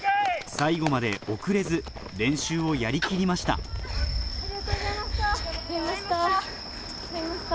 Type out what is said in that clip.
最後まで遅れず練習をやり切りましたありがとうございましたありがとうございました。